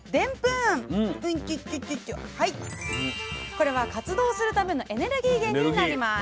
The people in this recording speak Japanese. これは活動するためのエネルギー源になります。